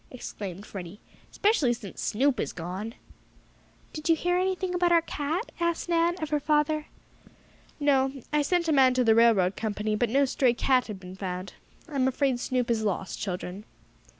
exclaimed Freddie. "'Specially since Snoop is gone." "Did you hear anything about our cat?" asked Nan, of her father. "No. I sent a man to the railroad company, but no stray cat had been found. I am afraid Snoop is lost, children."